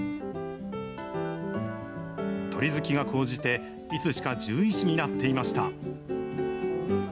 鳥好きが高じて、いつしか獣医師になっていました。